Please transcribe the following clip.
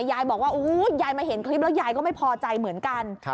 ยายบอกว่ายายมาเห็นคลิปแล้วยายก็ไม่พอใจเหมือนกัน